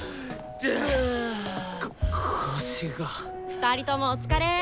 ２人ともお疲れ！